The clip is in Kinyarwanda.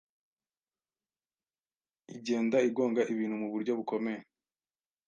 igenda igonga ibintu mu buryo bukomeye